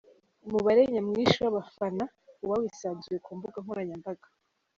Umubare nyamwishi w'abafana uba wisanzuye ku mbuga nkoranyambaga.